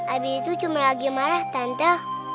adik itu cuma lagi marah tante